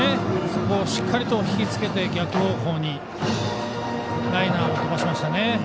そこをしっかり引きつけて逆方向にライナーを飛ばしました。